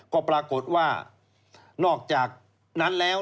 ก็ปรากฏว่านอกจากนั้นแล้ว